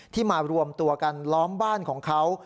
มารวมตัวกันล้อมบ้านของเขา